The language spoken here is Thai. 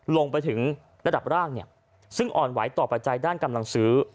ลงไปถึงระดับร่างซึ่งอ่อนไหวต่อปัจจัยด้านกำลังซื้อ